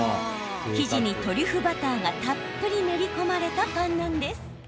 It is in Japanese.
生地にトリュフバターがたっぷり練り込まれたパンなんです。